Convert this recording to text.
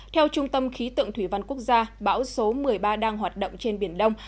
theo trung tâm khí tượng thủy văn quốc gia bão số một mươi ba đang hoạt động trên biển đông